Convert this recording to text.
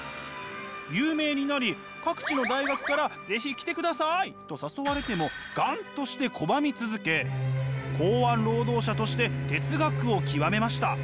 有名になり各地の大学から是非来てくださいと誘われても頑として拒み続け港湾労働者として哲学を究めました。